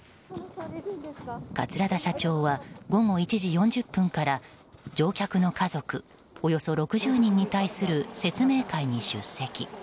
桂田社長は午後１時４０分から乗客の家族およそ６０人に対する説明会に出席。